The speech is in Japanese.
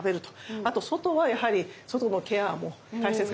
あと外はやはり外のケアも大切かと思います。